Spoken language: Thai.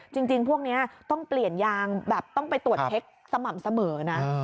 จริงพวกนี้ต้องเปลี่ยนยางแบบต้องไปตรวจเช็คสม่ำเสมอนะ